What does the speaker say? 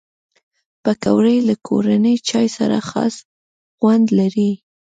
پکورې له کورني چای سره خاص خوند لري